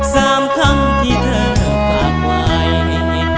คำที่เธอฝากไว้